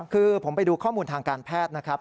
คือผมไปดูข้อมูลทางการแพทย์นะครับ